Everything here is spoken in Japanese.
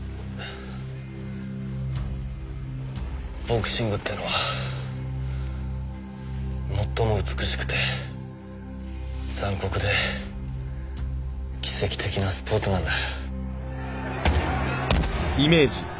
ボクシングってのは最も美しくて残酷で奇跡的なスポーツなんだ。